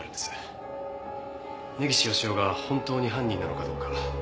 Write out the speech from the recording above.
根岸義雄が本当に犯人なのかどうか。